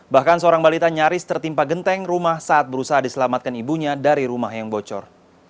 bahkan seorang balita nyaris tertimpa genteng rumah saat berusaha diselamatkan ibunya dari rumah yang bocor